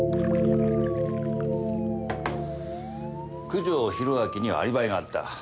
九条宏明にはアリバイがあった。